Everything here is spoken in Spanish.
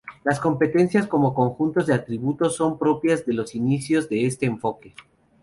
Las competencias como conjuntos de atributos son propias de los inicios de este enfoque.